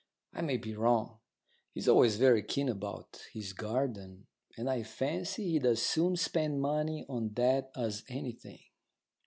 I may be wrong. He's always very keen about his garden, and I fancy he'd as soon spend money on that as anything.